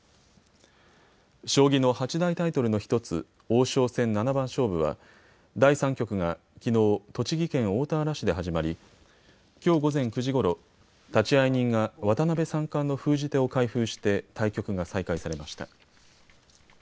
将棋の八大タイトルの１つ王将戦七番勝負は第３局がきのう栃木県大田原市で始まりきょう午前９時ごろ、立会人が渡辺三冠の封じ手を開封して対局が再開されました。